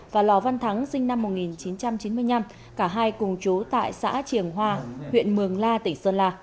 và lò văn thắng sinh năm một nghìn chín trăm chín mươi năm cả hai cùng chú tại xã triềng hoa huyện mường la tỉnh sơn la